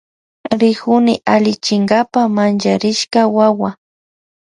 Rikuni allichinkapa mancharishka wawa.